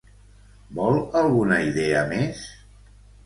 Vol alguna idea més?